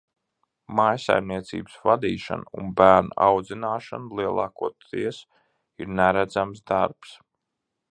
Mājsaimniecības vadīšana un bērnu audzināšana lielākoties ir neredzams darbs.